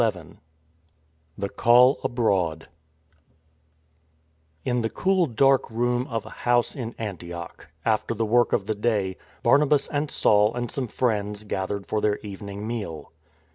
XI THE CALL ABROAD IN the cool, dark room of a house in Antioch, after the work of the day, Barnabas and Saul and some friends gathered for their evening meal.